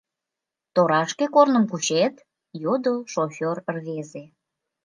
— Торашке корным кучет? — йодо шофёр рвезе.